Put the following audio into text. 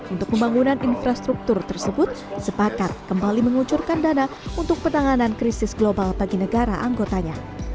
untuk pembangunan infrastruktur tersebut sepakat kembali mengucurkan dana untuk penanganan krisis global bagi negara anggotanya